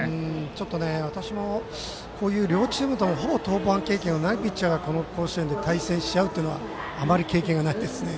ちょっと、私もこういう両チームともほぼ登板経験ないピッチャーが甲子園で対戦し合うというのはあまり経験がないです。